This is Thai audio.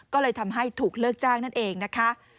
ก็เลยทำให้ถูกเลิกจ้างนั่นเองนะคะ